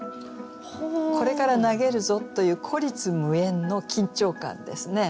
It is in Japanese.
これから投げるぞという孤立無援の緊張感ですね。